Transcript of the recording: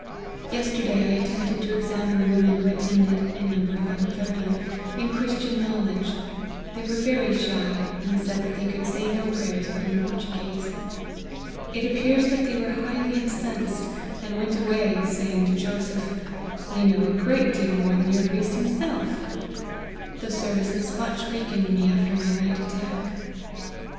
Yesterday I attempted to examine the women who attended (in number about thirty,) in Christian knowledge ; they were very shy, and said that they could say no prayers but in Portuguese. It appears that they were highly incensed, and went away, saying to Joseph, ' We know a great deal more than your priest himself. 1 The services much weakened me after my late attack."